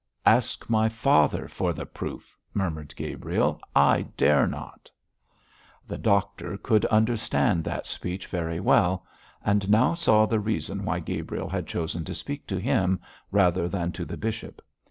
'Ask my father for the proof,' murmured Gabriel. 'I dare not!' The doctor could understand that speech very well, and now saw the reason why Gabriel had chosen to speak to him rather than to the bishop.